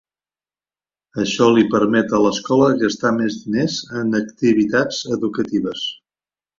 Això li permet a l'escola gastar més diners en activitats educatives.